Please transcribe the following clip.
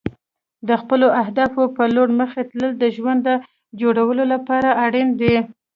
د خپلو اهدافو په لور مخکې تلل د ژوند د جوړولو لپاره اړین دي.